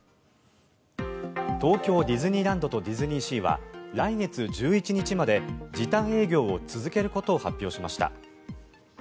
東京ディズニーランドとディズニーシーは来月１１日まで時短営業を続けることを発表しました。